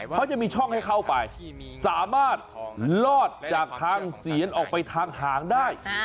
เขาจะมีช่องให้เข้าไปสามารถลอดจากทางเสียนออกไปทางหางได้